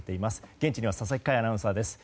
現地には佐々木快アナウンサーです。